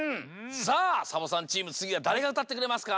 さあサボさんチームつぎはだれがうたってくれますか？